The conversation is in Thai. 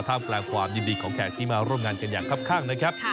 กลางความยินดีของแขกที่มาร่วมงานกันอย่างครับข้างนะครับ